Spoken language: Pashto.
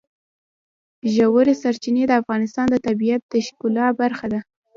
ژورې سرچینې د افغانستان د طبیعت د ښکلا برخه ده.